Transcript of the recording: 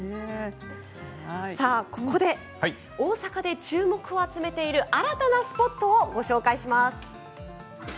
大阪で注目を集めている新たなスポットをご紹介します。